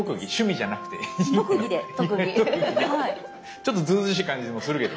ちょっとずうずうしい感じもするけど。